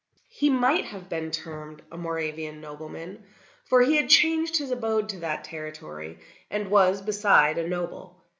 He might have been termed a Moravian nobleman, for he had changed his abode to that territory, and was, beside, a noble.